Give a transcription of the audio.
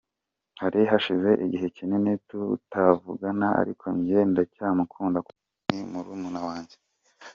Hari hashize igihe kinini tutavugana ariko njye ndacyamukunda kuko ni murumuna wanjye.